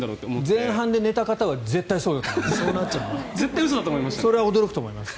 前半で寝た方は絶対そうだと思います。